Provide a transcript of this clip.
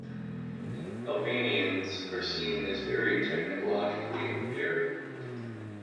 "Albanians" are seen as very technologically impaired.